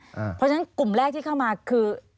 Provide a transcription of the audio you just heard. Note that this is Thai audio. เพราะฉะนั้นกลุ่มแรกที่เข้ามาคือ